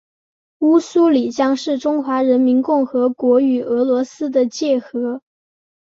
乌苏里江是中华人民共和国与俄罗斯的界河。